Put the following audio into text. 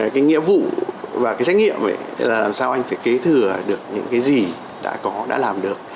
cái nghĩa vụ và cái trách nhiệm là làm sao anh phải kế thừa được những cái gì đã có đã làm được